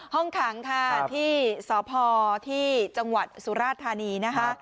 ห้องขังที่สพที่จังหวัดสุราษฎร์ธานี